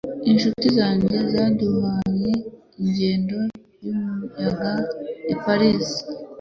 Inshuti zanjye zaduhaye ingendo yumuyaga i Paris.